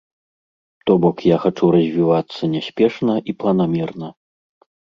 То бок я хачу развівацца няспешна і планамерна.